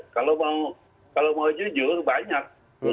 kalau mau jujur banyak